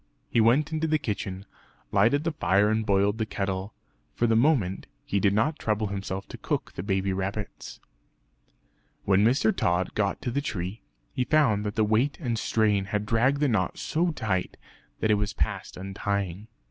He went into the kitchen, lighted the fire and boiled the kettle; for the moment he did not trouble himself to cook the baby rabbits. When Mr. Tod got to the tree, he found that the weight and strain had dragged the knot so tight that it was past untying.